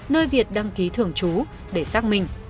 nơi việt đăng ký thưởng chú để xác minh